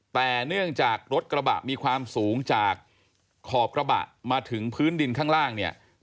แต่เนื่องจากรถกระบะมีความสูงจากขอบกระบะมาถึงพื้นดินข้างล่างเนี่ย